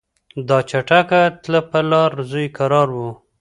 دا چټکه تله پر لار زوی یې کرار و